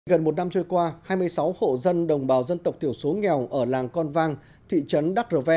gần một năm trôi qua hai mươi sáu hộ dân đồng bào dân tộc thiểu số nghèo ở làng con vang thị trấn đắc rè